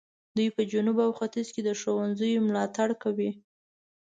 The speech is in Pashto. دوی په جنوب او ختیځ کې د ښوونځیو ملاتړ کوي.